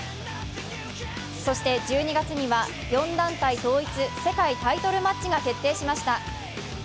そして１２月には４団体統一世界タイトルマッチが決定しました。